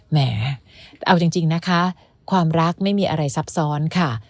แหมเอาจริงนะคะความรักไม่มีอะไรซับซ้อนค่ะ